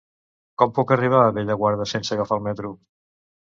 Com puc arribar a Bellaguarda sense agafar el metro?